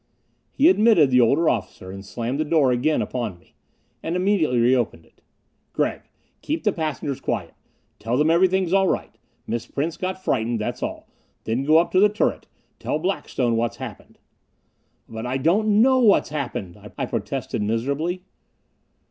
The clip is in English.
He admitted the older officer and slammed the door again upon me. And immediately reopened it. "Gregg, keep the passengers quiet. Tell them everything's all right. Miss Prince got frightened, that's all. Then go up to the turret. Tell Blackstone what's happened." "But I don't know what's happened," I protested miserably.